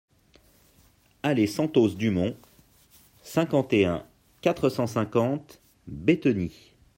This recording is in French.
Allée Santos Dumont, cinquante et un, quatre cent cinquante Bétheny